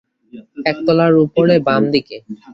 একতলার উপরে বাম দিকে।